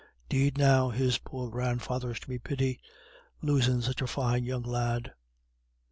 'Deed, now, his poor grandfather's to be pitied, losin' such a fine young lad."